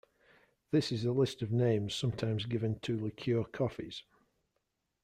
This is a list of names sometimes given to liqueur coffees.